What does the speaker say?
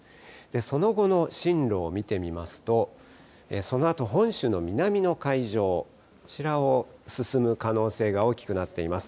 その後の進路を見てみますと、そのあと本州の南の海上、こちらを進む可能性が大きくなっています。